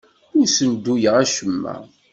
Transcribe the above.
Ur ssenduyeɣ acemma.